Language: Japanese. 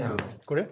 これ？